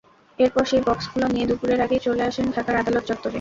এরপর সেই বক্সগুলো নিয়ে দুপুরের আগেই চলে আসেন ঢাকার আদালত চত্বরে।